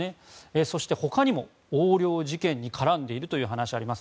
そして他にも横領事件に絡んでいるという話があります。